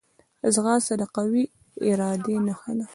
ځغاسته د قوي ارادې نښه ده